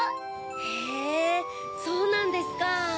へぇそうなんですか。